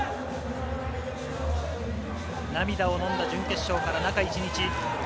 涙をのんだ準決勝から中１日。